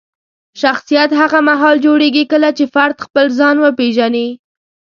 شخصیت هغه مهال جوړېږي کله چې فرد خپل ځان وپیژني.